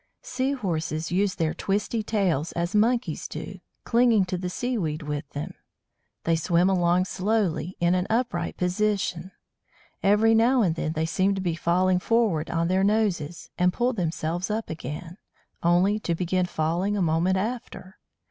Sea horses use their twisty tails as monkeys do, clinging to the seaweed with them. They swim along slowly, in an upright position. Every now and then they seem to be falling forward on their noses, and pull themselves up again, only to begin falling a moment after.